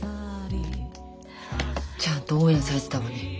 ちゃんとオンエアされてたわね。